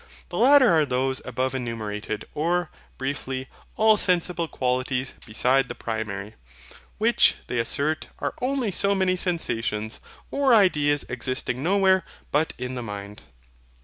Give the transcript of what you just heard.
The latter are those above enumerated; or, briefly, ALL SENSIBLE QUALITIES BESIDE THE PRIMARY; which they assert are only so many sensations or ideas existing nowhere but in the mind.